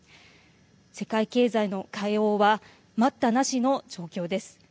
世界経済の対応は待ったなしの状況です。